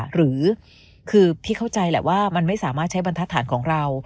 หรือคือพี่เข้าใจแหละว่ามันไม่สามารถใช้บรรทัศน์ของเรา